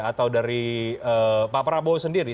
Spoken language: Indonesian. atau dari pak prabowo sendiri